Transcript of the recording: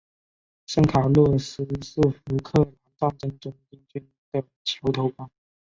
圣卡洛斯是福克兰战争中英军的桥头堡。